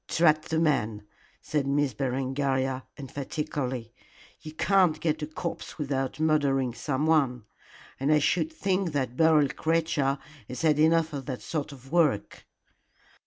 "Drat the man!" said Miss Berengaria, emphatically. "You can't get a corpse without murdering someone, and I should think that Beryl creature has had enough of that sort of work."